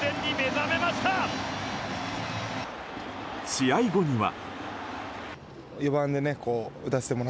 試合後には。